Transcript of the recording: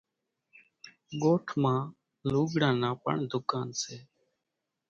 ڳوٺ مان لوُڳران نان پڻ ۮُڪانَ سي۔